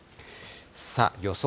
さあ、予想